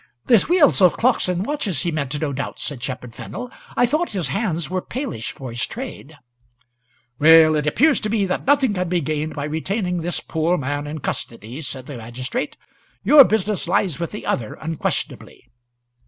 "The wheels o' clocks and watches he meant, no doubt," said Shepherd Fennel. "I thought his hands were palish for's trade." "Well, it appears to me that nothing can be gained by retaining this poor man in custody," the magistrate; "your business lies with the other unquestionably."